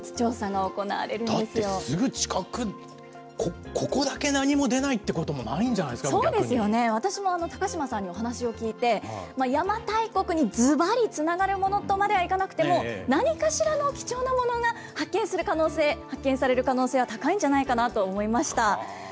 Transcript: だってすぐ近く、ここだけ何も出ないっていうこともないんじそうですよね、私も高島さんにお話を聞いて、邪馬台国にずばりつながるものとまではいかなくても、何かしらの貴重なものが発見される可能性は高いんじゃないかなと思いました。